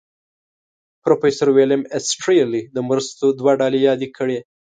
پروفیسر ویلیم ایسټرلي د مرستو دوه ډلې یادې کړې.